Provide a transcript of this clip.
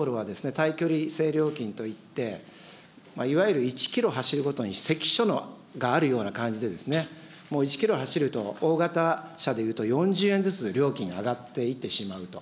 今の高速道路はですね、対距離制料金といって、いわゆる１キロ走るごとに関所があるような感じで、１キロ走ると大型車でいうと、４０円ずつ料金が上がっていってしまうと。